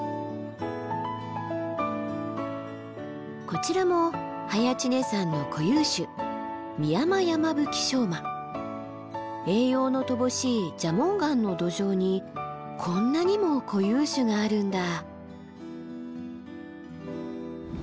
こちらも早池峰山の固有種栄養の乏しい蛇紋岩の土壌にこんなにも固有種があるんだ。